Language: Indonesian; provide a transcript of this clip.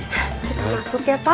kita masuk ya pa